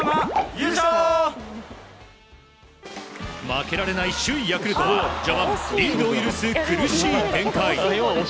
負けられない首位ヤクルト序盤リードを許す苦しい展開。